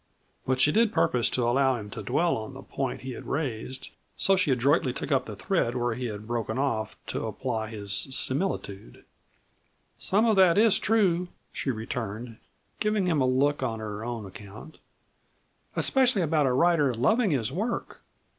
But she did purpose to allow him to dwell on the point he had raised, so she adroitly took up the thread where he had broken off to apply his similitude. "Some of that is true," she returned, giving him a look on her own account; "especially about a writer loving his work.